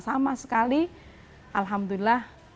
sama sekali alhamdulillah